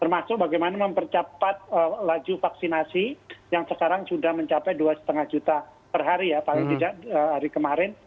termasuk bagaimana mempercepat laju vaksinasi yang sekarang sudah mencapai dua lima juta per hari ya paling tidak hari kemarin